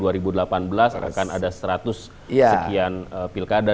dua ribu delapan belas akan ada seratus sekian pilkada